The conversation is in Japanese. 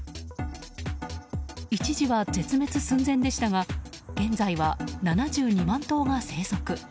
一時は絶滅寸前でしたが現在は７２万頭が生息。